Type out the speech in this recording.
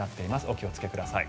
お気をつけください。